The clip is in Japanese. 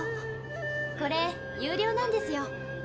これ有料なんですよ。